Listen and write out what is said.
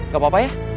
gak apa apa ya